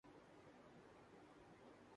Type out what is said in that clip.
جب تاج اچھالے جائیں گے۔